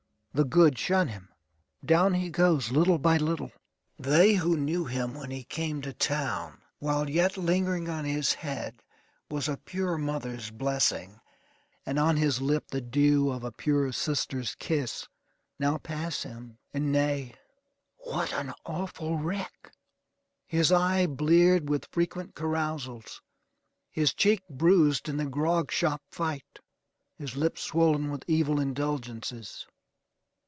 The good shun him. Down he goes, little by little. They who knew him when he came to town, while yet lingering on his head was a pure mother's blessing, and on his lip the dew of a pure sister's kiss, now pass him, and nay, "What an awful wreck!" His eye bleared with frequent carousals. His cheek bruised in the grog shop fight. His lip swollen with evil indulgences.